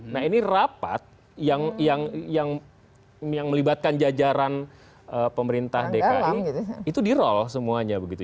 nah ini rapat yang melibatkan jajaran pemerintah dki itu di roll semuanya begitu